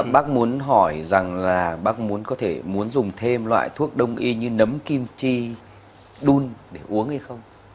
bác muốn hỏi rằng là bác muốn có thể muốn dùng thêm loại thuốc đông y như nấm kim chi đun để uống hay không